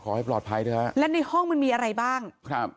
ขอให้ปลอดภัยด้วยฮะและในห้องมันมีอะไรบ้างครับ